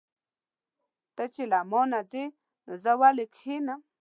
ته چې له مانه ځې نو زه ولې کښېنم.